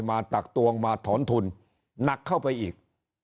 ตักตวงมาถอนทุนหนักเข้าไปอีก